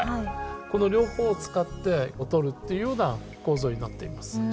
この両方を使って撮るというような構造になっています。